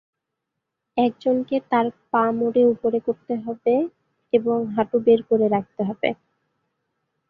একজনকে তার পা মুড়ে ওপরে করতে হবে এবং হাঁটু বের করে ধরে রাখতে হবে।